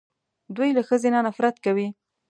دوی له ښځې نه نفرت کوي